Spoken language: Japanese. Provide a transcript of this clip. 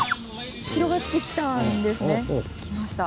広がってきたんですね。来ました。